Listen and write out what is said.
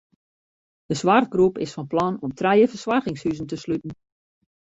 De soarchgroep is fan plan om trije fersoargingshuzen te sluten.